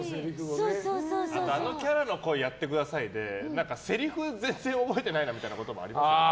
あのキャラの声やってくださいでせりふ全然覚えてないなみたいなことありますよね？